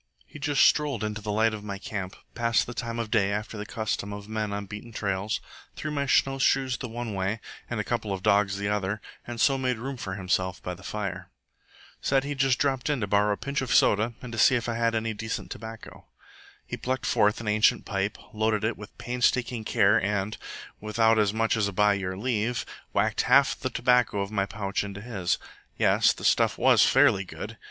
He just strolled into the light of my camp, passed the time of day after the custom of men on beaten trails, threw my snowshoes the one way and a couple of dogs the other, and so made room for himself by the fire. Said he'd just dropped in to borrow a pinch of soda and to see if I had any decent tobacco. He plucked forth an ancient pipe, loaded it with painstaking care, and, without as much as by your leave, whacked half the tobacco of my pouch into his. Yes, the stuff was fairly good.